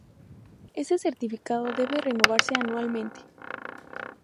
Este certificado debe renovarse anualmente.